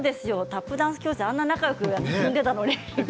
タップダンス教室であんなに仲よくやっていたのに。